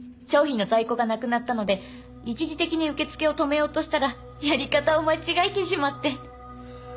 商品の在庫がなくなったので一時的に受け付けを止めようとしたらやり方を間違えてしまって。